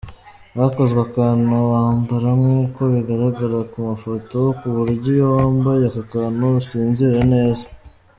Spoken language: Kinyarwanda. Hakozwe akantu wambara nkuko bigaragara kumafoto kuburyo iyo wambaye aka kantu usinzira neza.